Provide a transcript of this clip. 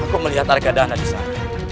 aku melihat argadana di sana